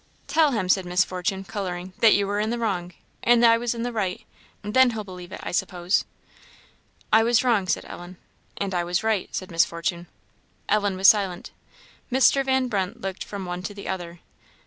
"Tell him," said Miss Fortune, colouring, "that you were in the wrong, and I was in the right then he'll believe it, I suppose." "I was wrong," said Ellen. "And I was right," said Miss Fortune. Ellen was silent. Mr. Van Brunt looked from one to the other.